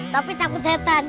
tapi takut setan